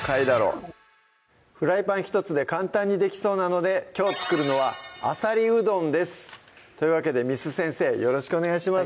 フライパン１つで簡単にできそうなのできょう作るのは「あさりうどん」ですというわけで簾先生よろしくお願いします